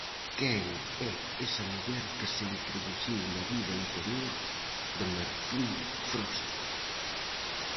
Quen é esa muller que se introduciu na vida interior de Martín Frost?